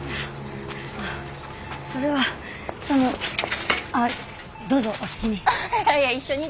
それはそのどうぞお好きに。